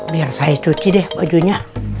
biar saya cuci deh bajunya